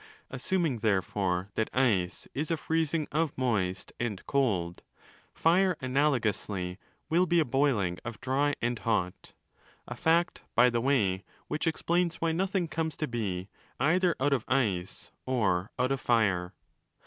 Assuming, therefore, that ice is a freezing of moist and cold, fire analogously will be a boiling of dry and hot: a fact, by the way, which explains why nothing comes to be either out of ice or out of fire.